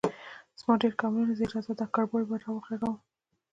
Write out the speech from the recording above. _زما ډېر کمالونه زده دي، راځه، دا کربوړی به راوغږوم.